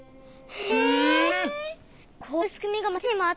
へえ。